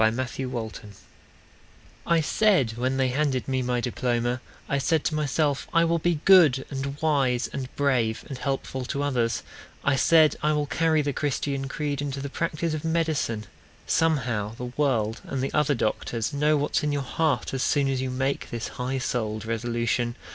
Siegfried Iseman I said when they handed me my diploma, I said to myself I will be good And wise and brave and helpful to others; I said I will carry the Christian creed Into the practice of medicine! Somehow the world and the other doctors Know what's in your heart as soon as you make This high souled resolution.